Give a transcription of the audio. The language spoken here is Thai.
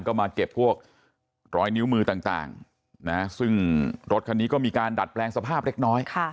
ก็มาเก็บพวกรอยนิ้วมือต่างซึ่งรถคันนี้ก็มีการดัดแปลงสภาพเล็กน้อย